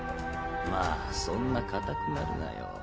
まあそんな固くなるなよ。